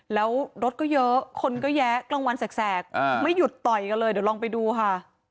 แล้วรถก็เยอะคนก็แยะกลางวันแสกไม่หยุดต่อยกันเลยเดี๋ยวลองไปดูค่ะ